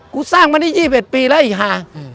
กูสร้างมานี่ยี่สิบเอ็ดปีแล้วไอ้ค่า